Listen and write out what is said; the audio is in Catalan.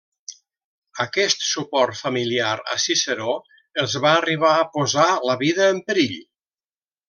Aquest suport familiar a Ciceró els va arribar a posar la vida en perill.